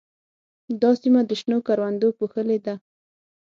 دا سیمه د شنو کروندو پوښلې ده.